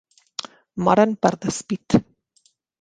Moren per despit.